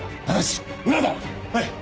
はい！